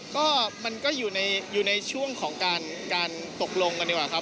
ก็มันก็อยู่ในช่วงของการตกลงกันดีกว่าครับ